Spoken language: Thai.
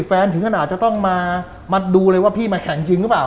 ถึงขนาดจะต้องมาดูเลยว่าพี่มาแข่งจริงหรือเปล่า